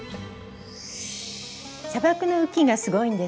砂漠の雨季がすごいんです。